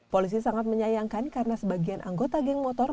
polisi sangat menyayangkan karena sebagian anggota geng motor